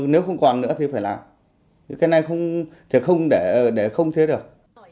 nếu không còn nữa thì phải làm cái này thì không để không thế được